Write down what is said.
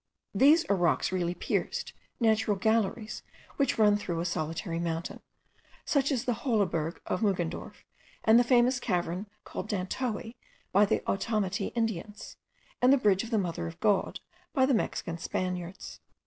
These are rocks really pierced; natural galleries, which run through a solitary mountain: such are the Hohleberg of Muggendorf, and the famous cavern called Dantoe by the Ottomite Indians, and the Bridge of the Mother of God, by the Mexican Spaniards.